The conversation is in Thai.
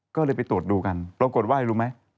ก็เลยไปตรวจดูกันปรากฏว่ารู้ไหม